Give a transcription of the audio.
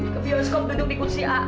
ke bioskop duduk di kursi a